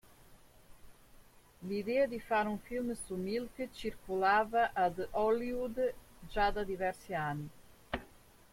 L'idea di fare un film su Milk circolava ad Hollywood già da diversi anni.